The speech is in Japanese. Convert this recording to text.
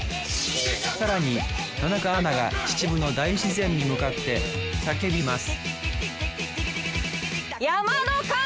更に田中アナが秩父の大自然に向かって叫びます